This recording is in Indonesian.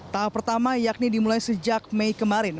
tahap pertama yakni dimulai sejak mei kemarin